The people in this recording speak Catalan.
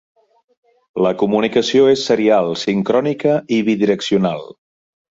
La comunicació és serial, sincrònica i bidireccional.